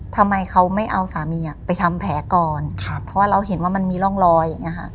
ทำไมเขาไม่เอาสามีไปทำแผลก่อนเพราะว่าเราเห็นว่ามันมีร่องรอย